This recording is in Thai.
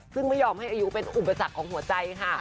ซึ่งไม่ยอมให้อายุเป็นอุปสรรคของหัวใจค่ะ